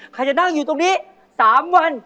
ใครจะนั่งอยู่ตรงนี้๓วัน